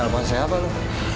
telepon siapa lu